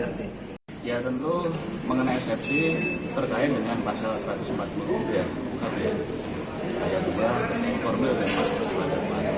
ya tentu mengenai eksepsi terkait dengan pasal satu ratus empat puluh